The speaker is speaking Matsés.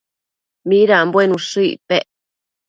midanbuen ushë icpec?